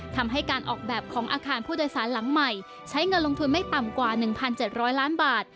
ทำให้การออกแบบของอาคารผู้โดยสารหลังใหม่ใช้เงินลงทุนไม่ต่ำกว่า๑๗๐๐ล้านบาท